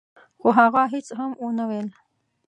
خو هغه هيڅ هم ونه ويل.